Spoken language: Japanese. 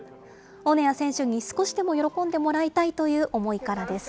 オネア選手に少しでも喜んでもらいたいという思いからです。